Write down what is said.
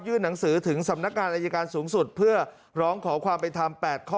หนังสือถึงสำนักงานอายการสูงสุดเพื่อร้องขอความเป็นธรรม๘ข้อ